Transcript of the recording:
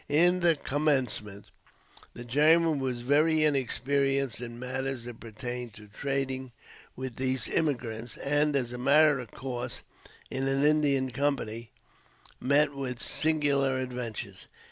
In the commencement, the German was very inexperienced in matters that pertained to trading with these emigrants, and, as a matter of course, in an Indian country, met with many singular adventures.